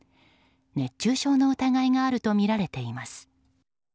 熱中症の疑いがあるとみられています。